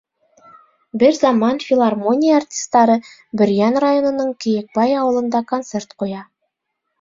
Бер заман филармония артистары Бөрйән районының Кейекбай ауылында концерт ҡуя.